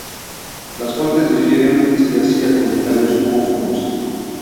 Las fuentes difieren si hacía comentarios homófobos.